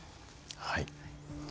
はい。